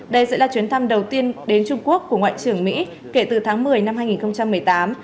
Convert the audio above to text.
đây sẽ là chuyến thăm đầu tiên đến trung quốc của ngoại trưởng mỹ kể từ tháng một mươi năm hai nghìn một mươi tám